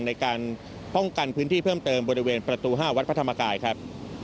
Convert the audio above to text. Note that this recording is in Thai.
ในการป้องกันพื้นที่เพิ่มเติมบริเวณประตู๕วัดพระธรรมกายครับ